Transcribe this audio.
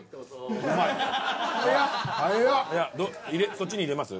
そっちに入れます？